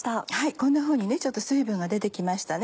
こんなふうにちょっと水分が出て来ましたね。